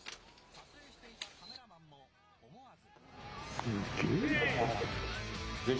撮影していたカメラマンも思わず。